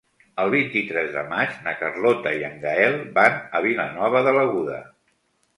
El vint-i-tres de maig na Carlota i en Gaël van a Vilanova de l'Aguda.